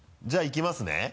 じゃあいきますね。